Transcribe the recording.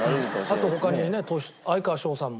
あと他にね哀川翔さんも。